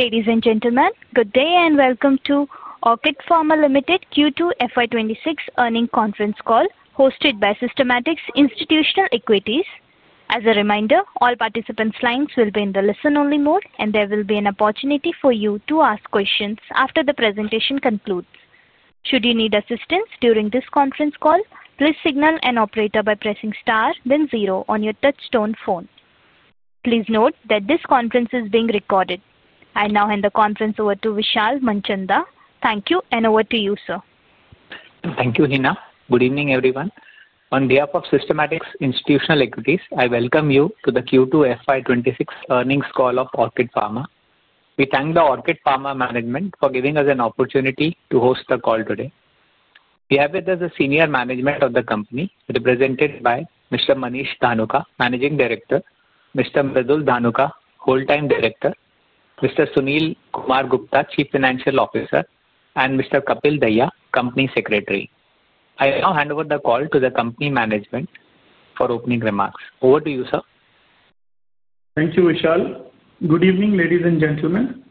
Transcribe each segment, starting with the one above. Ladies and gentlemen, good day and welcome to Orchid Pharma Limited Q2 FY 26 earning conference call hosted by Systematix Institutional Equities. As a reminder, all participants' lines will be in the listen-only mode, and there will be an opportunity for you to ask questions after the presentation concludes. Should you need assistance during this conference call, please signal an operator by pressing star, then zero on your touchstone phone. Please note that this conference is being recorded. I now hand the conference over to Vishal Manchanda. Thank you, and over to you, sir. Thank you, Neena. Good evening, everyone. On behalf of Systematix Institutional Equities, I welcome you to the Q2 FY 26 earnings call of Orchid Pharma. We thank the Orchid Pharma management for giving U.S. an opportunity to host the call today. We have with U.S. the senior management of the company, represented by Mr. Manish Dhanuka, Managing Director; Mr. Mridul Dhanuka, Whole-time Director; Mr. Sunil Kumar Gupta, Chief Financial Officer; and Mr. Kapil Dayya, Company Secretary. I now hand over the call to the company management for opening remarks. Over to you, sir. Thank you, Vishal. Good evening, ladies and gentlemen.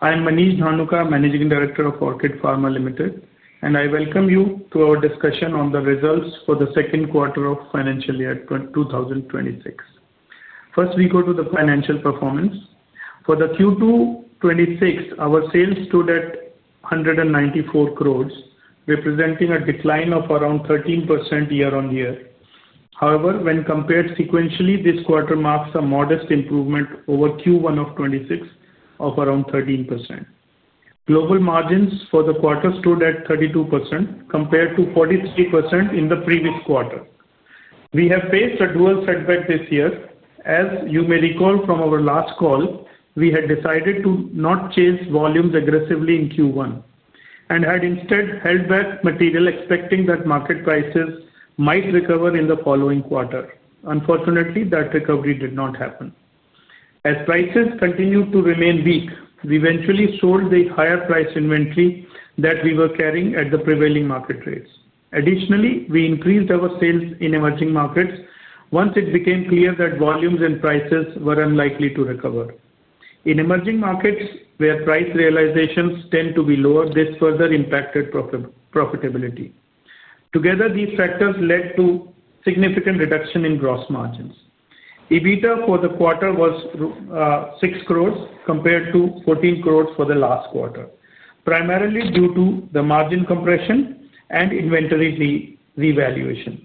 I am Manish Dhanuka, Managing Director of Orchid Pharma Limited, and I welcome you to our discussion on the results for the Q2 of financial year 2026. First, we go to the financial performance. For Q2 2026, our sales stood at 194 crore, representing a decline of around 13% year-on-year. However, when compared sequentially, this quarter marks a modest improvement over Q1 of 2026 of around 13%. Global margins for the quarter stood at 32%, compared to 43% in the previous quarter. We have faced a dual setback this year. As you may recall from our last call, we had decided to not chase volumes aggressively in Q1 and had instead held back material, expecting that market prices might recover in the following quarter. Unfortunately, that recovery did not happen. As prices continued to remain weak, we eventually sold the higher-priced inventory that we were carrying at the prevailing market rates. Additionally, we increased our sales in emerging markets once it became clear that volumes and prices were unlikely to recover. In emerging markets, where price realizations tend to be lower, this further impacted profitability. Together, these factors led to a significant reduction in gross margins. EBITDA for the quarter was 6 crore, compared to 14 crore for the last quarter, primarily due to the margin compression and inventory revaluation.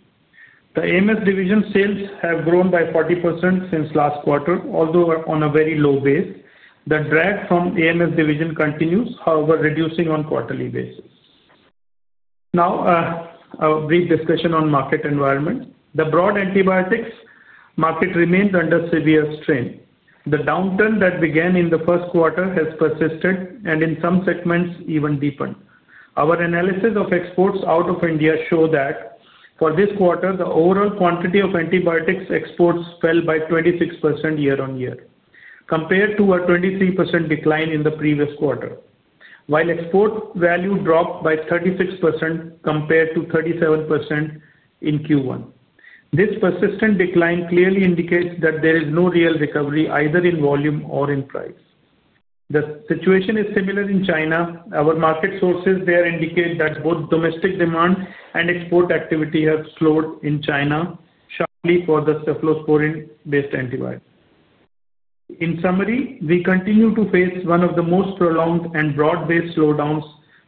The AMS division sales have grown by 40% since last quarter, although on a very low base. The drag from AMS division continues, however, reducing on a quarterly basis. Now, a brief discussion on the market environment. The broad antibiotics market remains under severe strain. The downturn that began in the Q1 has persisted, and in some segments, even deepened. Our analysis of exports out of India shows that for this quarter, the overall quantity of antibiotics exports fell by 26% year-on-year, compared to a 23% decline in the previous quarter, while export value dropped by 36% compared to 37% in Q1. This persistent decline clearly indicates that there is no real recovery, either in volume or in price. The situation is similar in China. Our market sources there indicate that both domestic demand and export activity have slowed in China, particularly for the cephalosporin-based antibiotics. In summary, we continue to face one of the most prolonged and broad-based slowdowns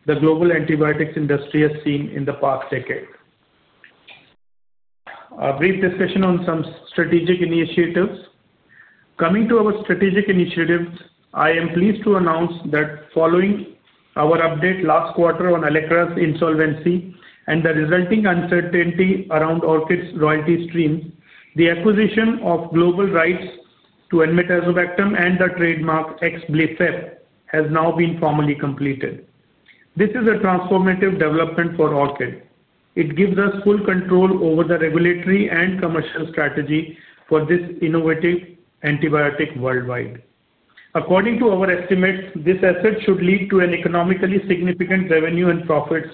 the global antibiotics industry has seen in the past decade. A brief discussion on some strategic initiatives. Coming to our strategic initiatives, I am pleased to announce that following our update last quarter on Allecra's insolvency and the resulting uncertainty around Orchid's royalty streams, the acquisition of global rights to enmetazobactam and the trademark Exblifep has now been formally completed. This is a transformative development for Orchid. It gives U.S. full control over the regulatory and commercial strategy for this innovative antibiotic worldwide. According to our estimates, this asset should lead to an economically significant revenue and profits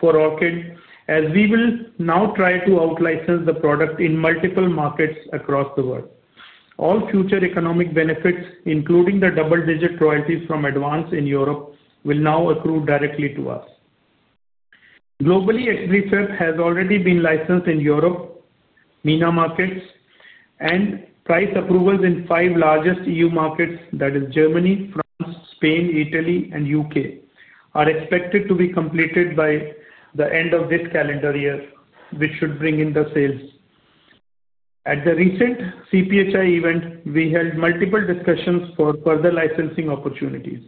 for Orchid, as we will now try to out-license the product in multiple markets across the world. All future economic benefits, including the double-digit royalties from ADVANZ PHARMA in Europe, will now accrue directly to U.S. Globally, Exblifep has already been licensed in Europe, MENA markets, and price approvals in five largest E.U. markets, that is Germany, France, Spain, Italy, and U.K., are expected to be completed by the end of this calendar year, which should bring in the sales. At the recent CPHI event, we held multiple discussions for further licensing opportunities.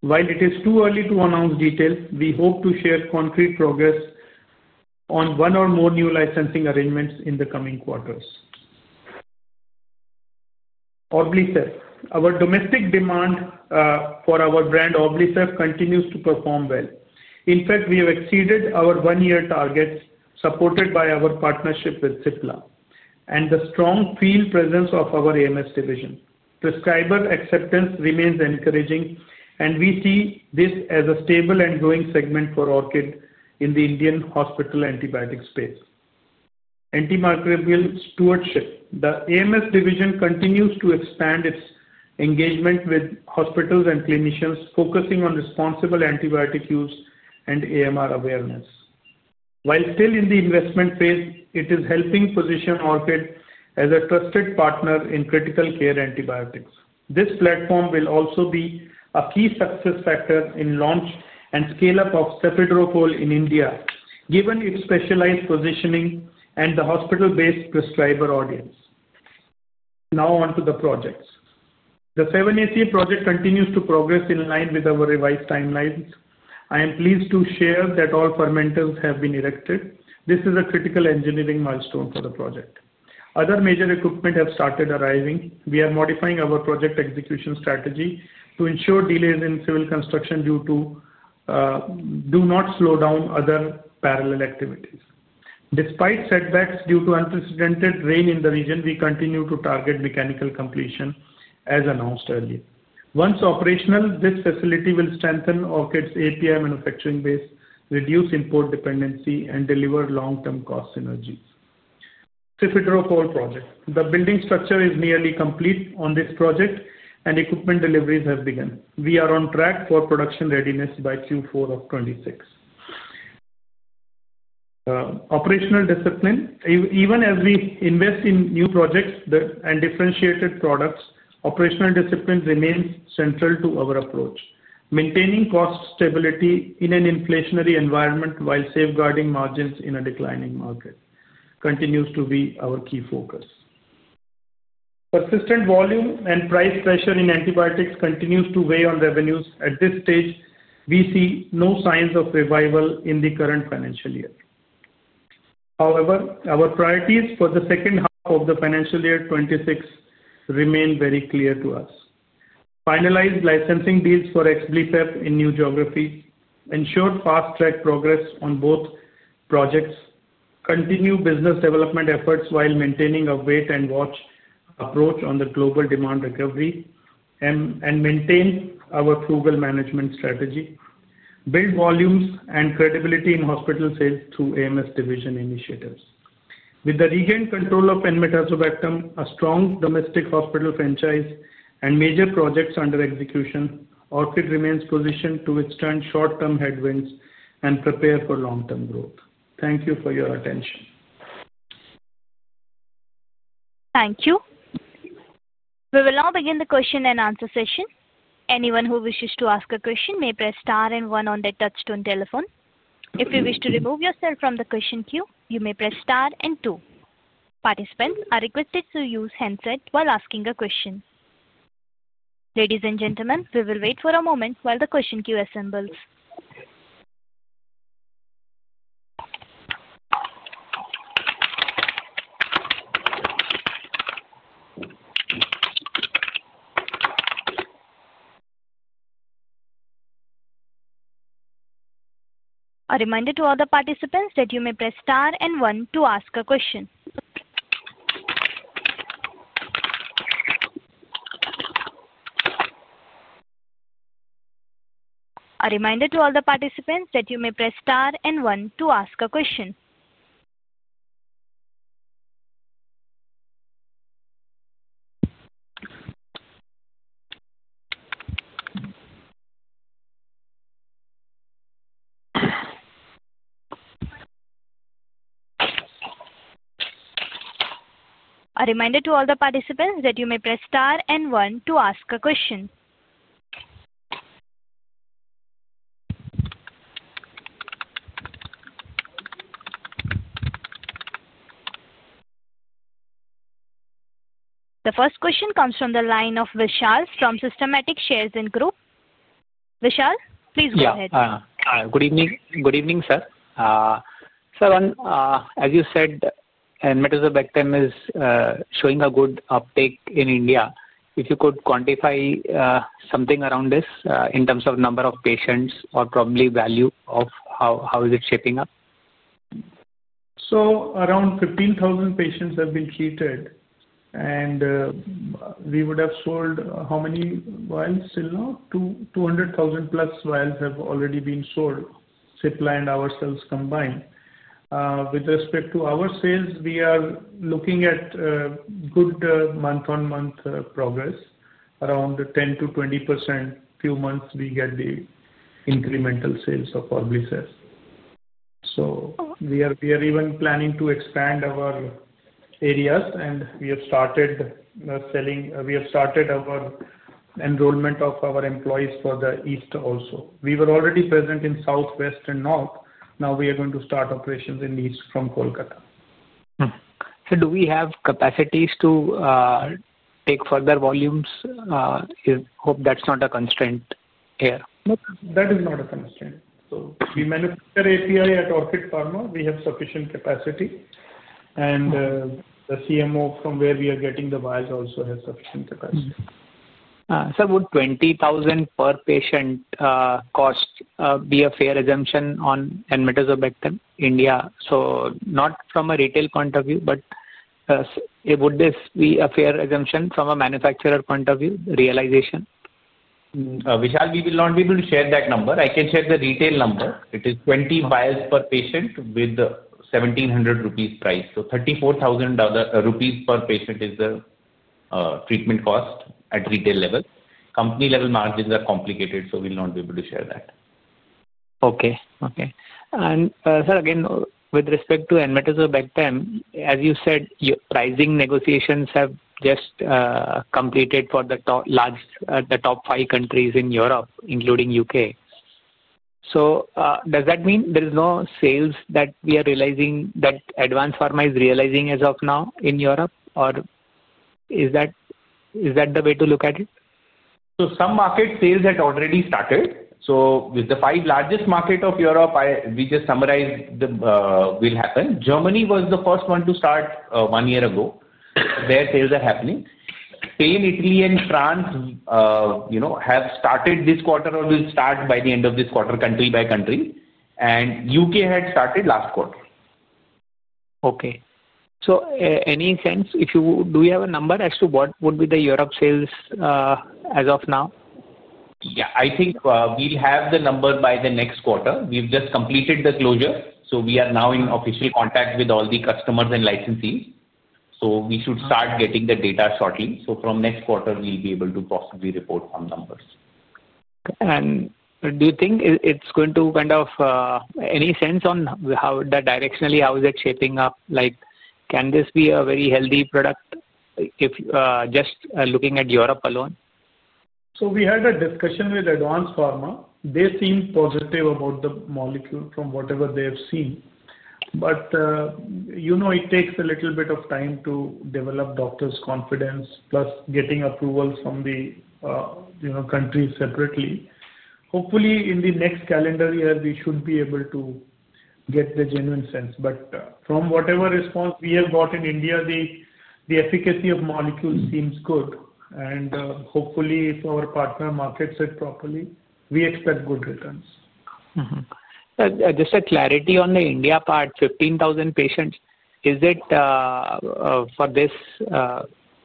While it is too early to announce details, we hope to share concrete progress on one or more new licensing arrangements in the coming quarters. Orblycef. Our domestic demand for our brand Orblycef continues to perform well. In fact, we have exceeded our one-year targets, supported by our partnership with Cipla and the strong field presence of our AMS division. Prescriber acceptance remains encouraging, and we see this as a stable and growing segment for Orchid in the Indian hospital antibiotic space. Anti-microbial stewardship. The AMS division continues to expand its engagement with hospitals and clinicians, focusing on responsible antibiotic use and AMR awareness. While still in the investment phase, it is helping position Orchid as a trusted partner in critical care antibiotics. This platform will also be a key success factor in the launch and scale-up of Cefiderocol in India, given its specialized positioning and the hospital-based prescriber audience. Now, on to the projects. The 7-ACA project continues to progress in line with our revised timelines. I am pleased to share that all perimeters have been erected. This is a critical engineering milestone for the project. Other major equipment has started arriving. We are modifying our project execution strategy to ensure delays in civil construction do not slow down other parallel activities. Despite setbacks due to unprecedented rain in the region, we continue to target mechanical completion as announced earlier. Once operational, this facility will strengthen Orchid's API manufacturing base, reduce import dependency, and deliver long-term cost synergies. Cefiderocol project. The building structure is nearly complete on this project, and equipment deliveries have begun. We are on track for production readiness by Q4 of 2026. Operational discipline. Even as we invest in new projects and differentiated products, operational discipline remains central to our approach. Maintaining cost stability in an inflationary environment while safeguarding margins in a declining market continues to be our key focus. Persistent volume and price pressure in antibiotics continues to weigh on revenues. At this stage, we see no signs of revival in the current financial year. However, our priorities for the second half of the financial year 2026 remain very clear to U.S. Finalized licensing deals for Exblifep in new geographies ensured fast-track progress on both projects, continued business development efforts while maintaining a wait-and-watch approach on the global demand recovery, and maintained our frugal management strategy, built volumes and credibility in hospital sales through AMS division initiatives. With the regained control of enmetazobactam, a strong domestic hospital franchise, and major projects under execution, Orchid remains positioned to withstand short-term headwinds and prepare for long-term growth. Thank you for your attention. Thank you. We will now begin the Q&A session. Anyone who wishes to ask a question may press star and one on their touchstone telephone. If you wish to remove yourself from the question queue, you may press star and two. Participants are requested to use handset while asking a question. Ladies and gentlemen, we will wait for a moment while the question queue assembles. A reminder to all the participants that you may press star and one to ask a question. The first question comes from the line of Vishal from Systematic Shares and Group. Vishal, please go ahead. Yeah. Good evening, sir. Sir, as you said, enmetazobactam is showing a good uptake in India. If you could quantify something around this in terms of number of patients or probably value of how is it shaping up? Around 15,000 patients have been treated, and we would have sold how many vials till now? 200,000+ vials have already been sold, Cipla and ourselves combined. With respect to our sales, we are looking at good month-on-month progress, around 10%-20% few months we get the incremental sales of Orblycef. We are even planning to expand our areas, and we have started selling, we have started our enrollment of our employees for the east also. We were already present in south, west, and north. Now we are going to start operations in the east from Kolkata. Do we have capacities to take further volumes? I hope that's not a constraint here. That is not a constraint. We manufacture API at Orchid Pharma. We have sufficient capacity, and the CMO from where we are getting the vials also has sufficient capacity. Sir, would 20,000 per patient cost be a fair assumption on enmetazobactam India? So not from a retail point of view, but would this be a fair assumption from a manufacturer point of view, realization? Vishal, we will not be able to share that number. I can share the retail number. It is 20 vials per patient with the 1,700 rupees price. So 34,000 rupees per patient is the treatment cost at retail level. Company-level margins are complicated, so we'll not be able to share that. Okay. Okay. And sir, again, with respect to enmetazobactam, as you said, pricing negotiations have just completed for the top five countries in Europe, including the U.K. Does that mean there is no sales that we are realizing that ADVANZ PHARMA is realizing as of now in Europe, or is that the way to look at it? Some market sales had already started. With the five largest markets of Europe, we just summarized what will happen. Germany was the first one to start one year ago. There, sales are happening. Spain, Italy, and France have started this quarter or will start by the end of this quarter, country by country. The U.K. had started last quarter. Okay. So any sense? Do you have a number as to what would be the Europe sales as of now? Yeah. I think we'll have the number by the next quarter. We've just completed the closure, so we are now in official contact with all the customers and licensees. We should start getting the data shortly. From next quarter, we'll be able to possibly report some numbers. Do you think it's going to kind of any sense on how directionally how is it shaping up? Can this be a very healthy product just looking at Europe alone? We had a discussion with ADVANZ PHARMA. They seemed positive about the molecule from whatever they have seen. It takes a little bit of time to develop doctors' confidence, plus getting approvals from the countries separately. Hopefully, in the next calendar year, we should be able to get the genuine sense. From whatever response we have got in India, the efficacy of the molecule seems good. Hopefully, if our partner markets it properly, we expect good returns. just a clarity on the India part, 15,000 patients, is it for this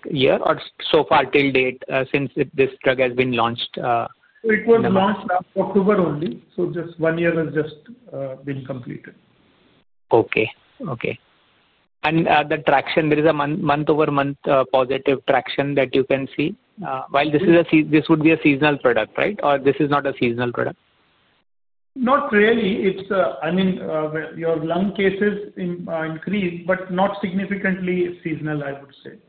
year or so far till date since this drug has been launched? It was launched last October only. just one year has just been completed. Okay. Okay. And the traction, there is a month-over-month positive traction that you can see? While this would be a seasonal product, right? Or this is not a seasonal product? Not really. I mean, your lung cases increase, but not significantly seasonal, I would say.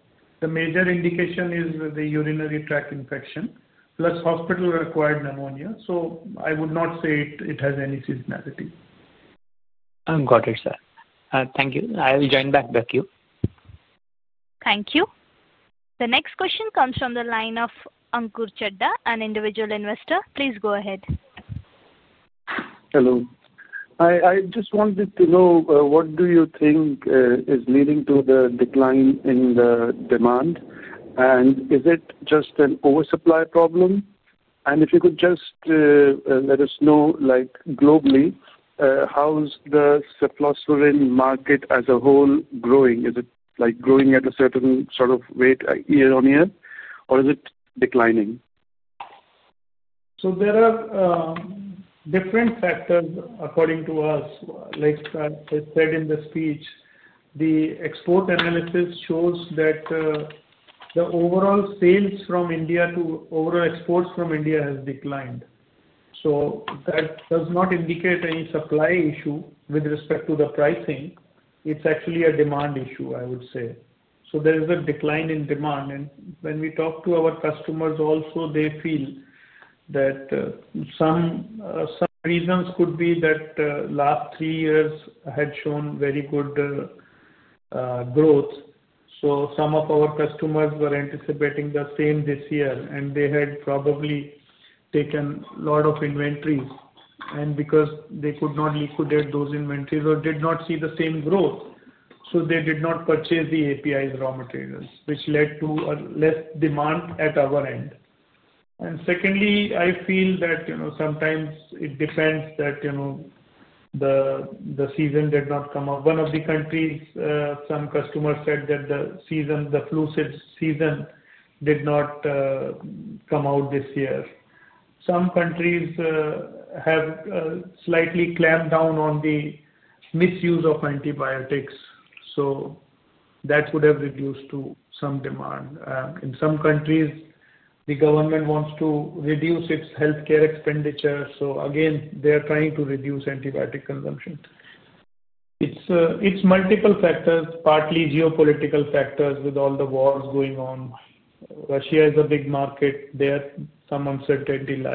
The major indication is the urinary tract infection, plus hospital-acquired pneumonia. So I would not say it has any seasonality. I've got it, sir. Thank you. I'll join back the queue. Thank you. The next question comes from the line of Ankur Chheda, an individual investor. Please go ahead. Hello. I just wanted to know, what do you think is leading to the decline in the demand? Is it just an oversupply problem? If you could just let U.S. know, globally, how is the cephalosporin market as a whole growing? Is it growing at a certain sort of rate year-on-year, or is it declining? There are different factors according to U.S. Like I said in the speech, the export analysis shows that the overall sales from India to overall exports from India have declined. That does not indicate any supply issue with respect to the pricing. It's actually a demand issue, I would say. There is a decline in demand. When we talk to our customers also, they feel that some reasons could be that the last three years had shown very good growth. Some of our customers were anticipating the same this year, and they had probably taken a lot of inventories. because they could not liquidate those inventories or did not see the same growth, they did not purchase the API raw materials, which led to less demand at our end. Secondly, I feel that sometimes it depends that the season did not come out. One of the countries, some customers said that the flu season did not come out this year. Some countries have slightly clamped down on the misuse of antibiotics. That could have reduced some demand. In some countries, the government wants to reduce its healthcare expenditure. Again, they are trying to reduce antibiotic consumption. It is multiple factors, partly geopolitical factors with all the wars going on Russia is a big market. There are some uncertainties.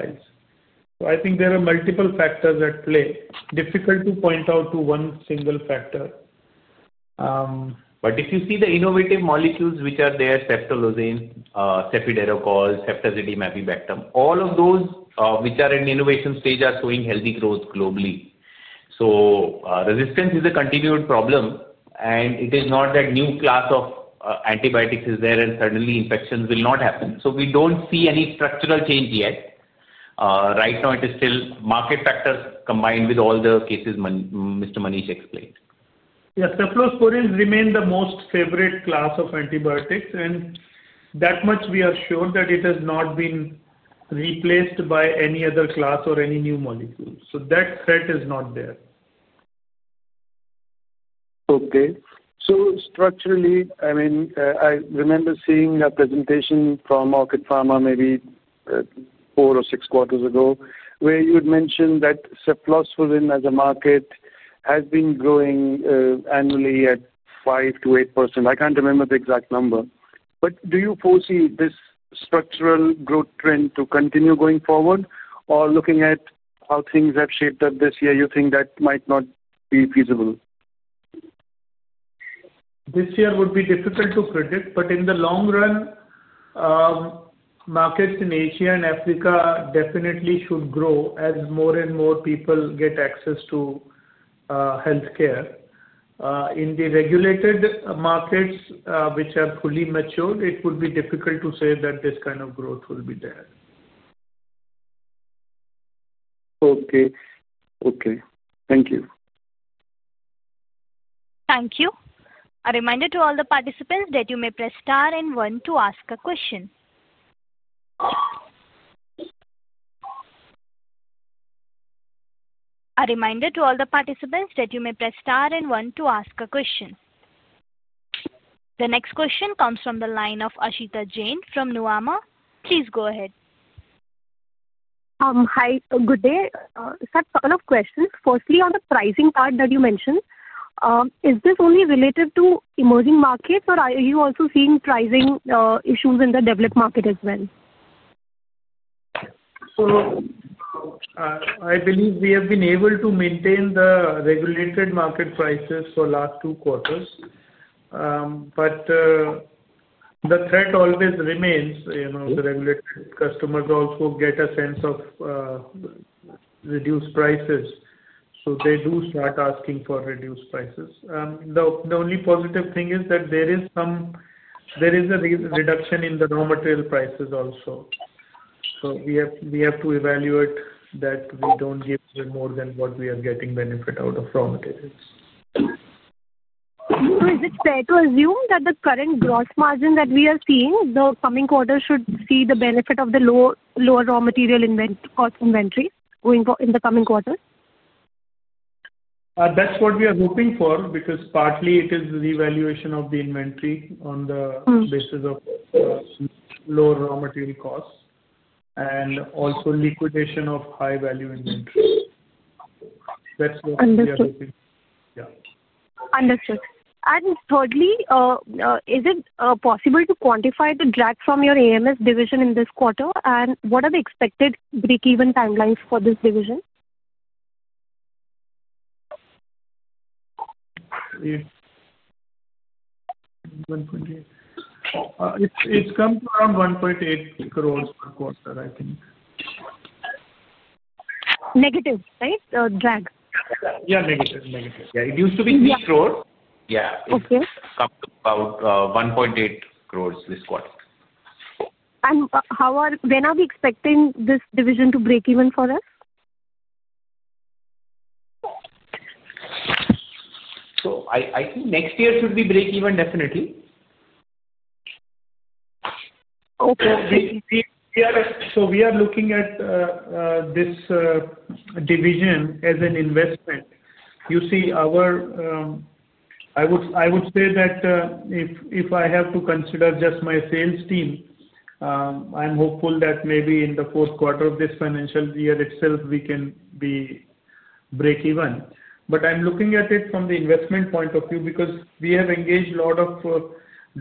I think there are multiple factors at play. Difficult to point out to one single factor. If you see the innovative molecules which are there, ceftolozane, Cefiderocol, ceftazidime, avibactam, all of those which are in innovation stage are showing healthy growth globally. Resistance is a continued problem, and it is not that a new class of antibiotics is there and suddenly infections will not happen. We do not see any structural change yet. Right now, it is still market factors combined with all the cases Mr. Manish explained. Yeah. Cephalosporin remain the most favorite class of antibiotics, and that much we are sure that it has not been replaced by any other class or any new molecule. That threat is not there. Okay. So structurally, I mean, I remember seeing a presentation from Orchid Pharma maybe four or six quarters ago where you had mentioned that cephalosporin as a market has been growing annually at 5%-8%. I can't remember the exact number. Do you foresee this structural growth trend to continue going forward, or looking at how things have shaped up this year, you think that might not be feasible? This year would be difficult to predict, but in the long run, markets in Asia and Africa definitely should grow as more and more people get access to healthcare. In the regulated markets which are fully matured, it would be difficult to say that this kind of growth will be there. Okay. Okay. Thank you. Thank you. A reminder to all the participants that you may press star and one to ask a question. The next question comes from the line of Aashita Jain from Nuvama. Please go ahead. Hi. Good day. Sir, a couple of questions. Firstly, on the pricing part that you mentioned, is this only related to emerging markets, or are you also seeing pricing issues in the developed market as well? I believe we have been able to maintain the regulated market prices for the last two quarters. The threat always remains. The regulated customers also get a sense of reduced prices, so they do start asking for reduced prices. The only positive thing is that there is a reduction in the raw material prices also. We have to evaluate that we do not give them more than what we are getting benefit out of raw materials. Is it fair to assume that the current gross margin that we are seeing, the coming quarter should see the benefit of the lower raw material cost inventory in the coming quarter? That's what we are hoping for because partly it is the evaluation of the inventory on the basis of lower raw material costs and also liquidation of high-value inventory. That's what we are hoping. Yeah. Understood. Thirdly, is it possible to quantify the drag from your AMS division in this quarter? What are the expected break-even timelines for this division? It has come to around 1.8 crores per quarter, I think. Negative, right? Drag? Yeah. Negative. Negative. Yeah. It used to be 3 crore. Yeah. It's come to about 1.8 crore this quarter. When are we expecting this division to break even for U.S.? I think next year should be break-even, definitely. We are looking at this division as an investment. You see, I would say that if I have to consider just my sales team, I'm hopeful that maybe in the Q4 of this financial year itself, we can be break-even. I'm looking at it from the investment point of view because we have engaged a lot of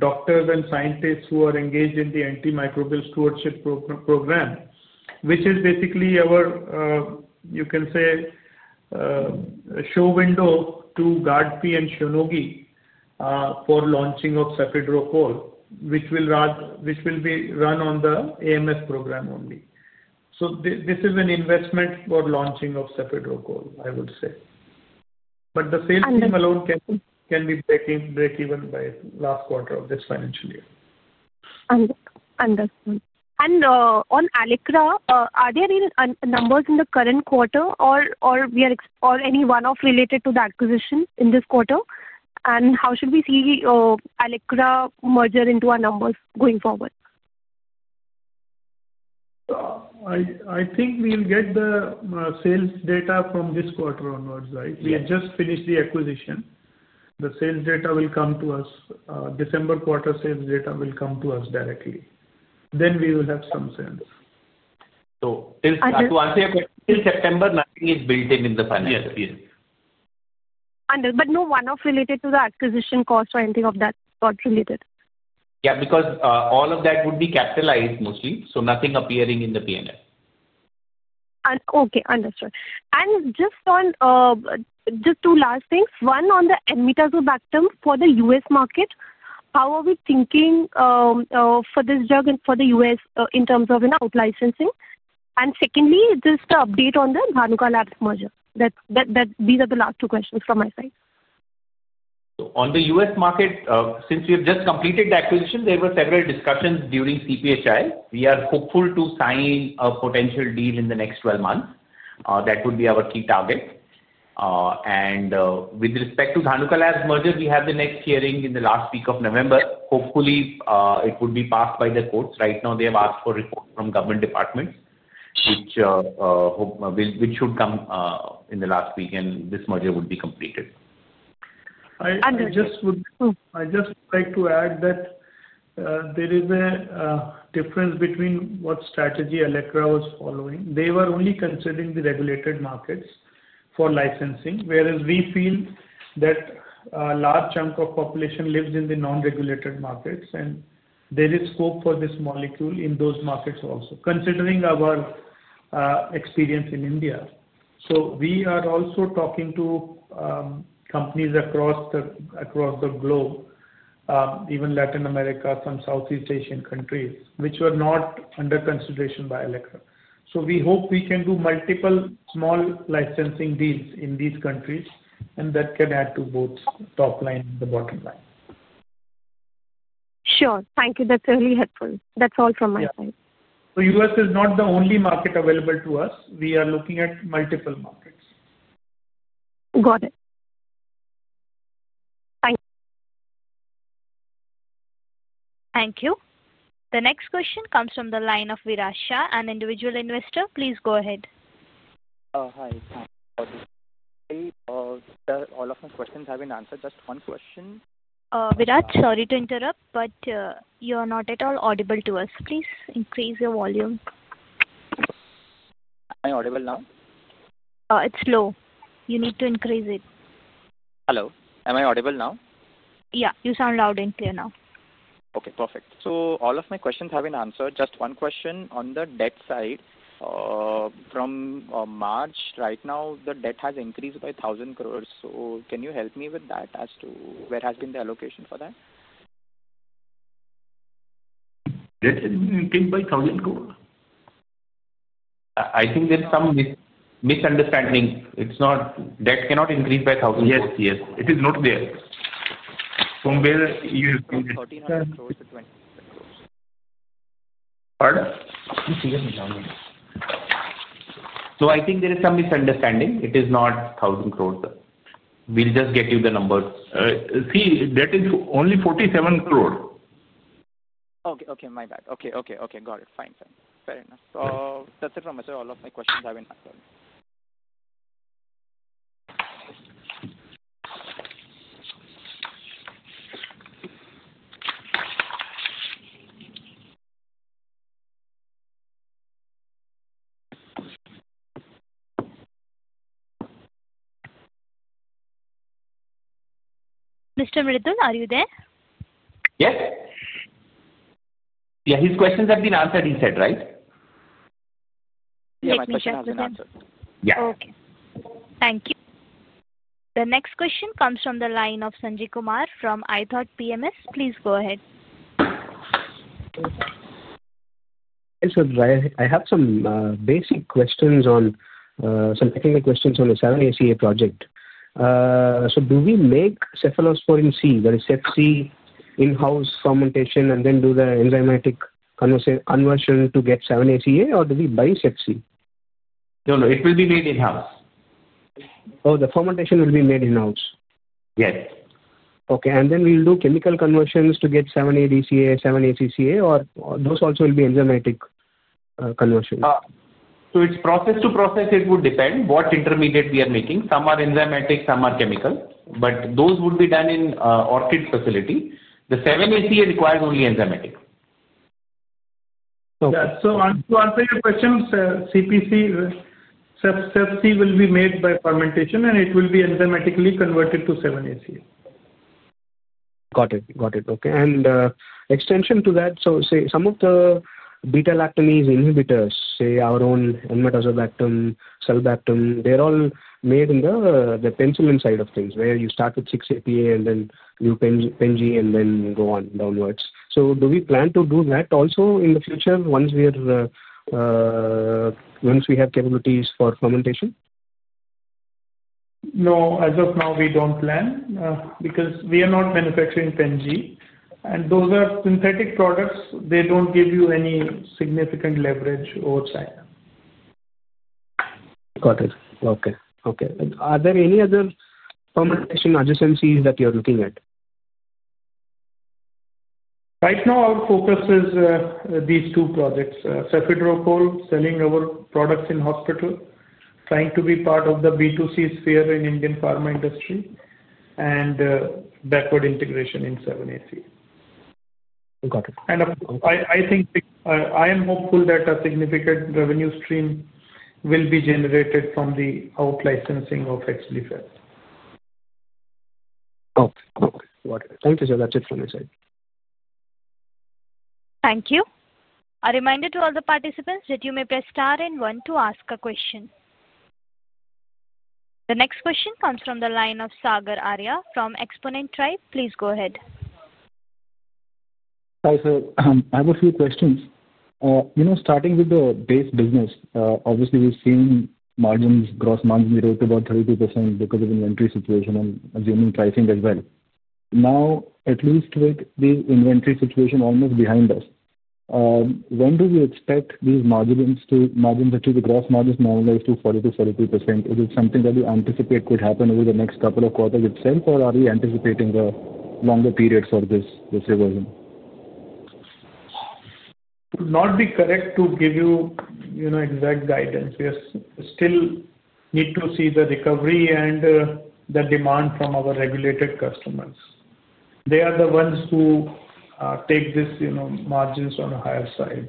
doctors and scientists who are engaged in the antimicrobial stewardship program, which is basically our, you can say, show window to GARDP and Shionogi for launching of Cefiderocol, which will be run on the AMS program only. This is an investment for launching of Cefiderocol, I would say. The sales team alone can be break-even by last quarter of this financial year. Understood. Understood. On Allecra, are there any numbers in the current quarter or any one-off related to the acquisition in this quarter? How should we see Allecra merger into our numbers going forward? I think we'll get the sales data from this quarter onwards, right? We have just finished the acquisition. The sales data will come to U.S. December quarter sales data will come to U.S. directly. We will have some sense. To answer your question, till September, nothing is built in in the financial year. Yes. Yes. Understood. No one-off related to the acquisition cost or anything of that sort related? Yeah. because all of that would be capitalized mostly, so nothing appearing in the P&L. Okay. Understood. just two last things. One, on the enmetazobactam for the U.S. market, how are we thinking for this drug and for the U.S. in terms of out-licensing? Secondly, just the update on the Dhanuka Labs merger. These are the last two questions from my side. On the U.S. market, since we have jus.t completed the acquisition, there were several discusions during CPHI. We are hopeful to sign a potential deal in the next 12 months. That would be our key target. With respect to Dhanuka Labs merger, we have the next hearing in the last week of November. Hopefully, it would be passed by the courts. Right now, they have asked for reports from government departments, which should come in the last week, and this merger would be completed. I just would like to add that there is a difference between what strategy Allecra was following. They were only considering the regulated markets for licensing, whereas we feel that a large chunk of population lives in the non-regulated markets, and there is scope for this molecule in those markets also, considering our experience in India. We are also talking to companies across the globe, even Latin America, some Southeast Asian countries, which were not under consideration by Allecra. We hope we can do multiple small licensing deals in these countries, and that can add to both top line and the bottom line. Sure. Thank you. That's really helpful. That's all from my side. Yeah. U.S. is not the only market available to U.S. We are looking at multiple markets. Got it. Thank you. Thank you. The next question comes from the line of Virat, an individual investor. Please go ahead. Hi. Thank you for this. All of my questions have been answered. just one question. Virat, sorry to interrupt, but you are not at all audible to U.S. Please increase your volume. Am I audible now? It's low. You need to increase it. Hello. Am I audible now? Yeah. You sound loud and clear now. Okay. Perfect. All of my questions have been answered. just one question on the debt side. From March, right now, the debt has increased by 1,000 crore. Can you help me with that as to where has been the allocation for that? Debt increased by INR 1,000 crore? I think there's some misunderstanding. It's not. Debt cannot increase by 1,000 crore. Yes. Yes. It is not there. Sorry. Pardon? I'm seeing it now. I think there is some misunderstanding. It is not 1,000 crore. We'll just get you the numbers. See, that is only 47 crore. Okay. My bad. Okay. Got it. Fine. Fair enough. That's it from my side. All of my questions have been answered. Mr. Mridul, are you there? Yes. Yeah. His questions have been answered, he said, right? Yeah. My questions have been answered. Yeah. Okay. Thank you. The next question comes from the line of Sanjay Kumar from ithoughtPMS. Please go ahead. Yes, [Sadhruch]. I have some basic questions on some technical questions on the 7-ACA project. Do we make cephalosporin C, that is CEPC, in-house fermentation and then do the enzymatic conversion to get 7-ACA, or do we buy CEPC? No, no. It will be made in-house. Oh, the fermentation will be made in-house? Yes. Okay. And then we'll do chemical conversions to get 7-ADCA, 7-ACCA, or those also will be enzymatic conversions? It is process-to-process. It would depend what intermediate we are making. Some are enzymatic, some are chemical. But those would be done in Orchid facility. The 7-ACA requires only enzymatic. To answer your question, CEPC will be made by fermentation, and it will be enzymatically converted to 7-ACA. Got it. Got it. Okay. An extension to that, some of the beta-lactamase inhibitors, say our own enmetazobactam, Sulbactam, they're all made in the penicillin side of things where you start with 6-APA and then do PENG and then go on downwards. Do we plan to do that also in the future once we have capabilities for fermentation? No. As of now, we don't plan because we are not manufacturing PENG. Those are synthetic products. They don't give you any significant leverage outside. Got it. Okay. Okay. Are there any other fermentation adjacencies that you're looking at? Right now, our focus is these two projects: Cefiderocol, selling our products in hospitals, trying to be part of the B2C sphere in the Indian pharma industry, and backward integration in 7-ACA. Got it. I think I am hopeful that a significant revenue stream will be generated from the out-licensing of Exblifep. Okay. Okay. Got it. Thank you, Sir. That's it from my side. Thank you. A reminder to all the participants that you may press star and one to ask a question. The next question comes from the line of Sagar Arya from Xponent Tribe. Please go ahead. Hi, Sir. I have a few questions. Starting with the base business, obviously, we've seen gross margins rose to about 32% because of the inventory situation and assuming pricing as well. Now, at least with the inventory situation almost behind U.S., when do we expect these margins to—margins to the gross margins normalize to 40%-42%? Is it something that you anticipate could happen over the next couple of quarters itself, or are we anticipating a longer period for this reversion? It would not be correct to give you exact guidance. We still need to see the recovery and the demand from our regulated customers. They are the ones who take these margins on the higher side.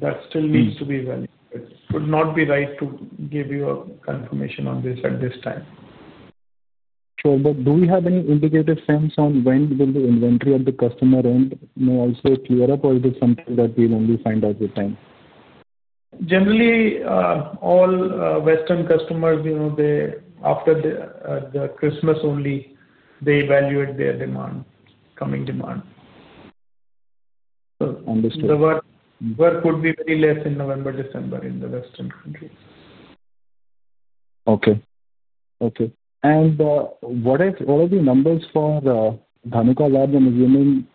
That still needs to be validated. It would not be right to give you a confirmation on this at this time. Sure. Do we have any indicative sense on when will the inventory at the customer end also clear up, or is it something that we will only find out with time? Generally, all Western customers, after the Christmas only, they evaluate their coming demand. Sure. Understood. The work would be very less in November, December in the Western countries. Okay. Okay. What are the numbers for Dhanuka Labs? I'm assuming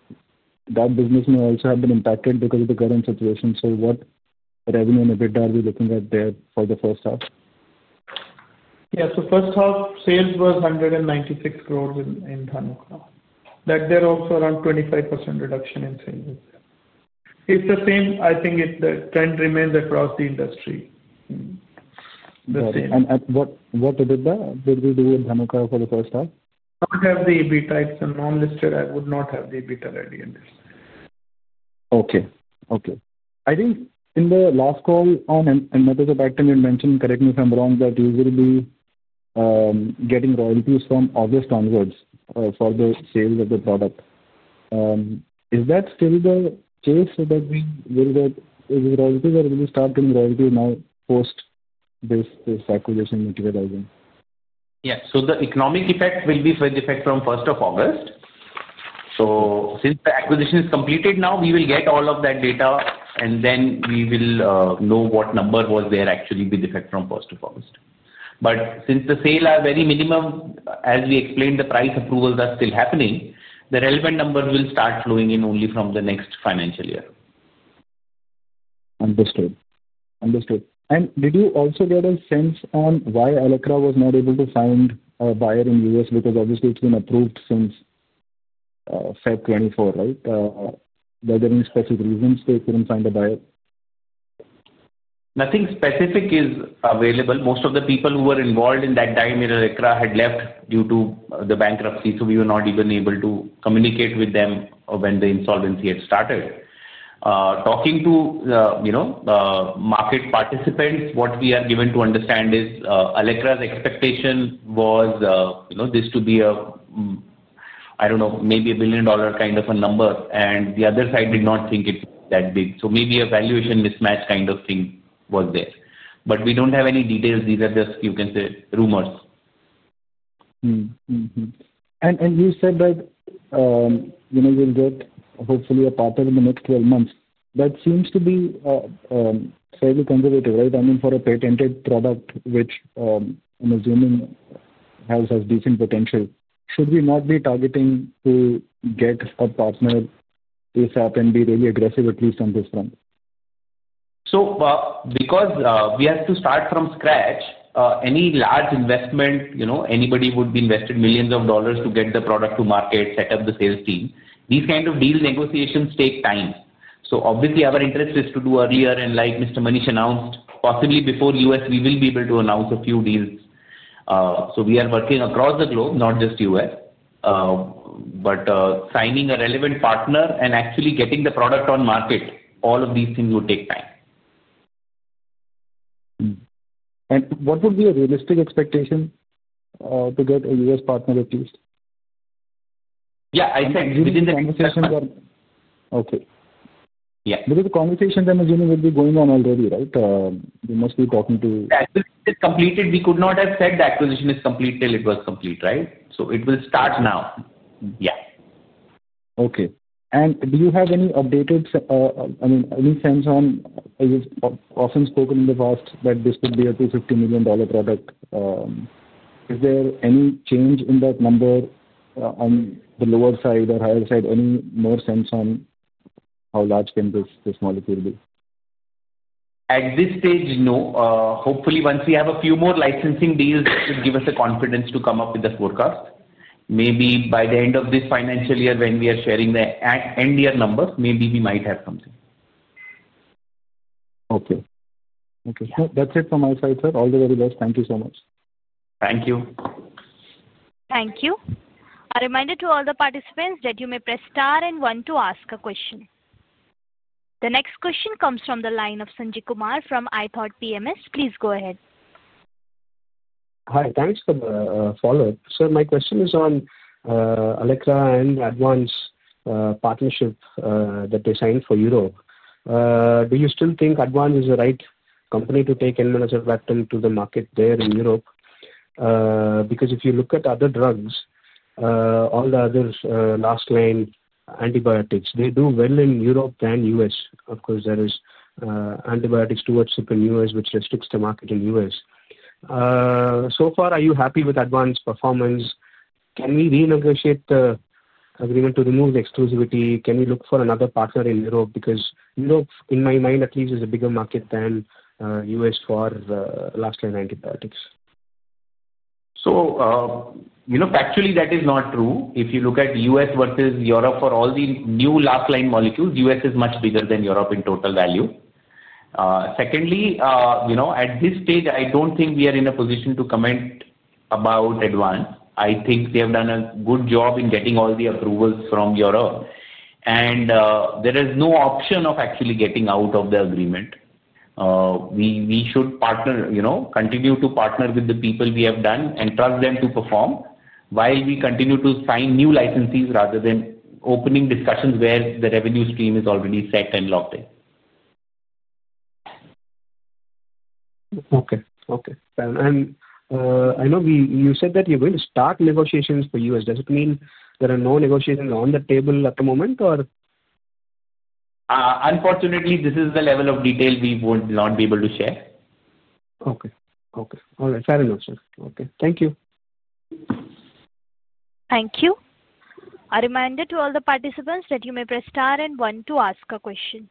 that business may also have been impacted because of the current situation. What revenue and EBITDA are we looking at there for the first half? Yeah. First half, sales were 196 crore in Dhanuka. There also, around 25% reduction in sales. It's the same. I think the trend remains across the industry. The same. What EBITDA did we do with Dhanuka for the first half? Not have the EBITDA. It's a non-listed. I would not have the EBITDA ready in this. Okay. Okay. I think in the last call on enmetazobactam, you mentioned—correct me if I'm wrong—that you will be getting royalties from August onwards for the sales of the product. Is that still the case that we will get royalties or will we start getting royalties now post this acquisition materializing? Yeah. The economic effect will be with effect from August 1st. Since the acquisition is completed now, we will get all of that data, and then we will know what number was there actually with effect from August 1st. Since the sales are very minimum, as we explained, the price approvals are still happening, the relevant numbers will start flowing in only from the next financial year. Understood. Understood. Did you also get a sense on why Allecra was not able to find a buyer in the U.S.? because obviously, it's been approved since February 2024, right? Were there any specific reasons they couldn't find a buyer? Nothing specific is available. Most of the people who were involved in that time in Allecra had left due to the bankruptcy, so we were not even able to communicate with them when the insolvency had started. Talking to market participants, what we are given to understand is Allecra's expectation was this to be a—I do not know—maybe a billion-dollar kind of a number, and the other side did not think it that big. Maybe a valuation mismatch kind of thing was there. We do not have any details. These are just, you can say, rumors. You said that you'll get hopefully a partner in the next 12 months. That seems to be fairly conservative, right? I mean, for a patented product, which I'm assuming has decent potential, should we not be targeting to get a partner ASAP and be really aggressive at least on this front? because we have to start from scratch, any large investment, anybody would be investing millions of dollars to get the product to market, set up the sales team. These kinds of deal negotiations take time. obviously, our interest is to do earlier, and like Mr. Manish announced, possibly before the U.S., we will be able to announce a few deals. We are working across the globe, not just the U.S., but signing a relevant partner and actually getting the product on market, all of these things will take time. What would be a realistic expectation to get a U.S. partner at least? Yeah. I said within the conversation that. Okay. Yeah. because the conversation, I'm assuming, will be going on already, right? We must be talking to. Yeah. As soon as it's completed, we could not have said the acquisition is complete till it was complete, right? It will start now. Yeah. Okay. Do you have any updated—I mean, any sense on—you've often spoken in the past that this could be a $250 million product. Is there any change in that number on the lower side or higher side? Any more sense on how large can this molecule be? At this stage, no. Hopefully, once we have a few more licensing deals, it will give U.S. the confidence to come up with a forecast. Maybe by the end of this financial year, when we are sharing the end-year number, maybe we might have something. Okay. Okay. That's it from my side, Sir. All the very best. Thank you so much. Thank you. Thank you. A reminder to all the participants that you may press star and one to ask a question. The next question comes from the line of Sanjay Kumar from ithoughtPMS. Please go ahead. Hi. Thanks for the follow-up. Sir, my question is on Allecra and Advance partnership that they signed for Europe. Do you still think Advance is the right company to take enmetazobactam to the market there in Europe? because if you look at other drugs, all the other last-line antibiotics, they do well in Europe than the U.S. Of course, there are antibiotics towards Cipla in the U.S., which restricts the market in the U.S. So far, are you happy with Advance's performance? Can we renegotiate the agreement to remove the exclusivity? Can we look for another partner in Europe? because Europe, in my mind at least, is a bigger market than the U.S. for last-line antibiotics. Actually, that is not true. If you look at the U.S. versus Europe for all the new last-line molecules, the U.S. is much bigger than Europe in total value. Secondly, at this stage, I do not think we are in a position to comment about ADVANZ PHARMA. I think they have done a good job in getting all the approvals from Europe. There is no option of actually getting out of the agreement. We should continue to partner with the people we have done and trust them to perform while we continue to sign new licenses rather than opening discussions where the revenue stream is already set and locked in. Okay. Okay. I know you said that you're going to start negotiations for the U.S. Does it mean there are no negotiations on the table at the moment? Unfortunately, this is the level of detail we would not be able to share. Okay. Okay. All right. Fair enough, Sir. Okay. Thank you. Thank you. A reminder to all the participants that you may press star and one to ask a question.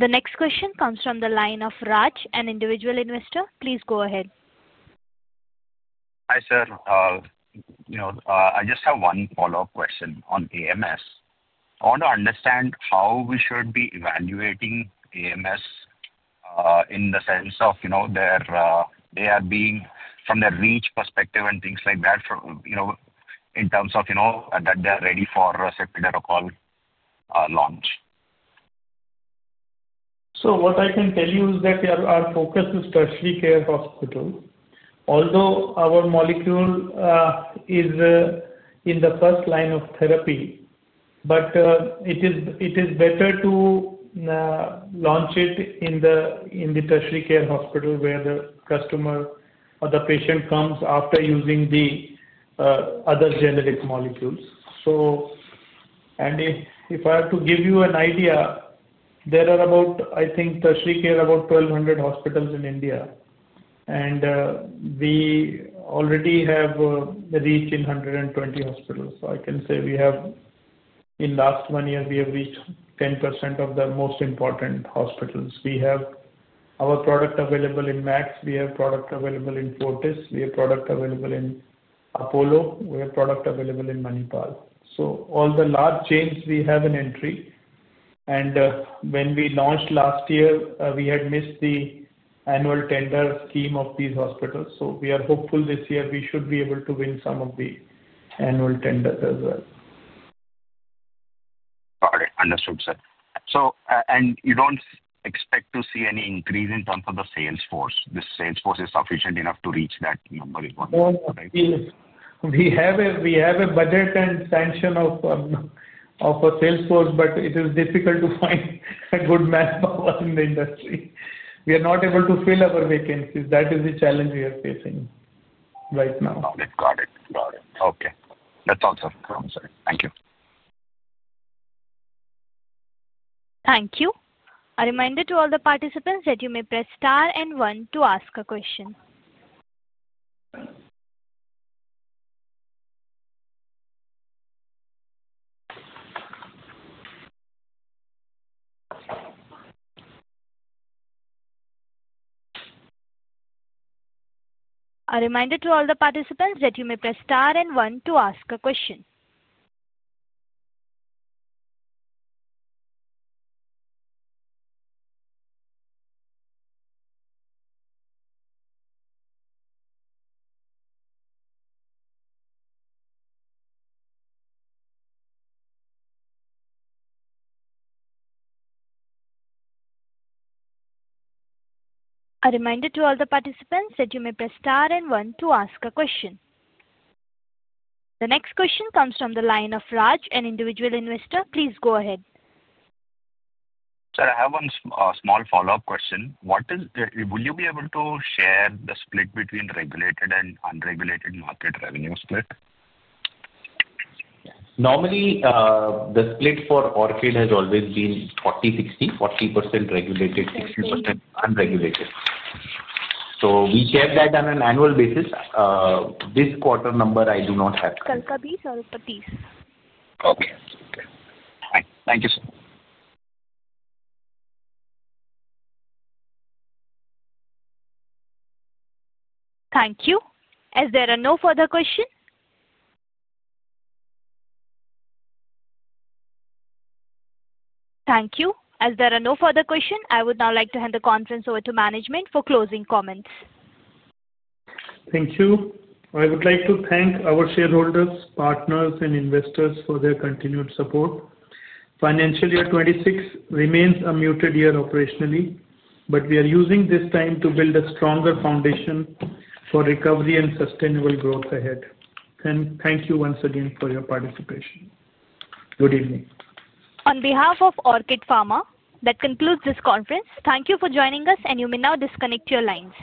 The next question comes from the line of Raj, an individual investor. Please go ahead. Hi, Sir. I just have one follow-up question on AMS. I want to understand how we should be evaluating AMS in the sense of they are being from the reach perspective and things like that in terms of that they are ready for a secondary or a call launch. What I can tell you is that our focus is tertiary care hospital. Although our molecule is in the first line of therapy, it is better to launch it in the tertiary care hospital where the customer or the patient comes after using the other generic molecules. If I have to give you an idea, there are about, I think, tertiary care about 1,200 hospitals in India. We already have reach in 120 hospitals. I can say we have in the last one year, we have reached 10% of the most important hospitals. We have our product available in Max. We have product available in Fortis. We have product available in Apollo. We have product available in Manipal. All the large chains, we have an entry. When we launched last year, we had missed the annual tender scheme of these hospitals. We are hopeful this year we should be able to win some of the annual tenders as well. Got it. Understood, Sir. You do not expect to see any increase in terms of the sales force? The sales force is sufficient enough to reach that number, right? We have a budget and sanction of a sales force, but it is difficult to find good manpower in the industry. We are not able to fill our vacancies. That is the challenge we are facing right now. Got it. Got it. Okay. That's all, Sir. I'm sorry. Thank you. Thank you. A reminder to all the participants that you may press star and one to ask a question. The next question comes from the line of Raj, an individual investor. Please go ahead. Sir, I have one small follow-up question. Will you be able to share the split between regulated and unregulated market revenue split? Normally, the split for Orchid has always been 40/60. 40% regulated, 60% unregulated. We share that on an annual basis. This quarter number, I do not have. [Kalka B, Swaruppa T]. Okay. Okay. Thank you, Sir. Thank you. As there are no further questions, I would now like to hand the conference over to management for closing comments. Thank you. I would like to thank our shareholders, partners, and investors for their continued support. Financial year 2026 remains a muted year operationally, but we are using this time to build a stronger foundation for recovery and sustainable growth ahead. Thank you once again for your participation. Good evening. On behalf of Orchid Pharma, that concludes this conference. Thank you for joining U.S., and you may now disconnect your lines.